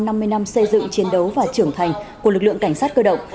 năm mươi năm xây dựng chiến đấu và trưởng thành của lực lượng cảnh sát cơ động